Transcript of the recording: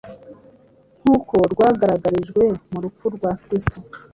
nk’uko rwagaragarijwe mu rupfu rwa Kristo;